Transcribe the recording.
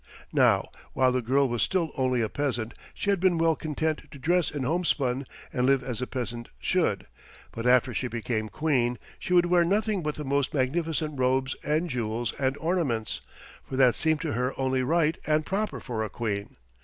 Now while the girl was still only a peasant she had been well content to dress in homespun and live as a peasant should, but after she became Queen she would wear nothing but the most magnificent robes and jewels and ornaments, for that seemed to her only right and proper for a Queen.